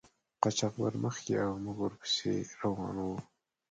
قاچاقبر مخکې او موږ ور پسې روان وو.